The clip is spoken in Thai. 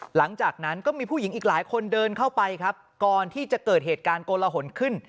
หลังจากนั้นก็มีผู้หญิงอีกหลายคนเดินเข้าไปครับก่อนที่จะเกิดเหตุการณ์โกลหนขึ้น